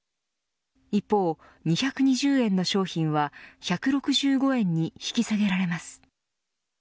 一方、２２０円の商品は１６５円に引き下げられます。